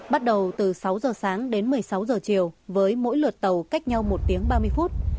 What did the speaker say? bắt đầu từ sáu giờ sáng đến một mươi sáu giờ chiều với mỗi lượt tàu cách nhau một tiếng ba mươi phút